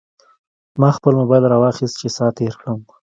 ما خپل موبایل راواخیست چې ساعت تېر کړم.